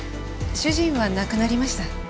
主人は亡くなりました。